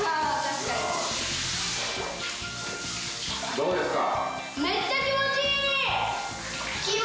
どうですか？